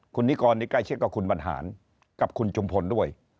คุณนิกรใกล้ชิดกับคุณบรรหารกับคุณจุมพลด้วย